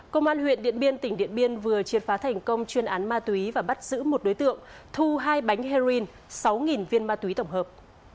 công an huyện điện biên tỉnh điện biên vừa triệt phá thành công chuyên án ma túy và bắt giữ một đối tượng thu hai bánh heroin sáu viên ma túy tổng hợp